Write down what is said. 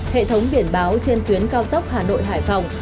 hệ thống biển báo trên tuyến cao tốc hà nội hải phòng